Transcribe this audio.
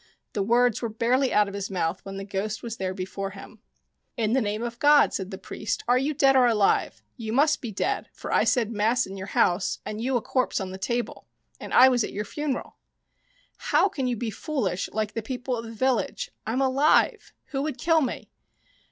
The words were barely out of his mouth when the ghost was there before him. " In the name of God," said the priest, " are you dead or alive? You must be dead, for I said mass in your house, and you a corpse on the table, and I was at your funeral." "How can you be foolish like the people of the village ? I'm alive. Who would kill me